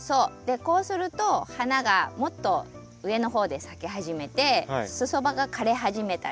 こうすると花がもっと上の方で咲き始めてすそ葉が枯れ始めたり。